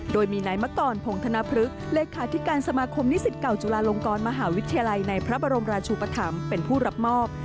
โดยมีนายมกรพงธนพฤกษ์เลขาธิการสมาคมนิสิตเก่าจุฬาลงกรมหาวิทยาลัยในพระบรมราชุปธรรมเป็นผู้รับมอบ